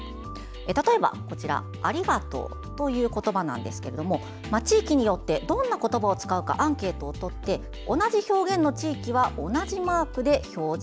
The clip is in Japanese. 例えば「ありがとう」という言葉ですが地域によってどんな言葉を使うかアンケートを取って同じ表現の地域は同じマークで表示。